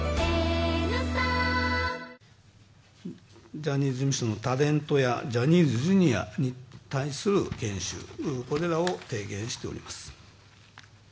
ジャニーズ事務所のタレントやジャニーズＪｒ．に関する研修、これらを提言しております。